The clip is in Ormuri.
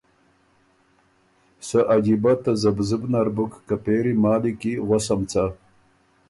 سۀ عجیبۀ تذبذب نر بُک که پېری مالی کی غؤسم څۀ؟